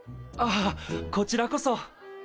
あっこちらこそ。